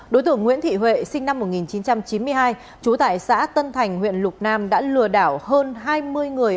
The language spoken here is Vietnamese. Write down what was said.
đối tượng nguyễn thị huệ sinh năm một nghìn chín trăm chín mươi hai trú tại xã tân thành huyện lục nam đã lừa đảo hơn hai mươi người